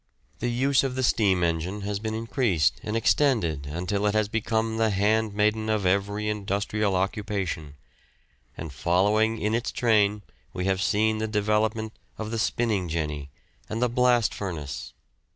The use of the steam engine has been increased and extended until it has become the handmaiden of every industrial occupation; and following in its train we have seen the development of the spinning jenny, and the blast furnace.